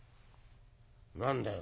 「何だよ